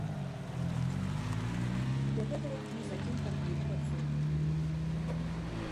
Для гэтага мы сядзім там і працуем.